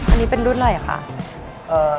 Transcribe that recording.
อันนี้เป็นรุ่นอะไรคะ